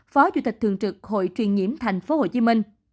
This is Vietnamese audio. phó chủ tịch thường trực hội truyền nhiễm tp hcm